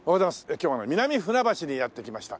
今日は南船橋にやって来ました。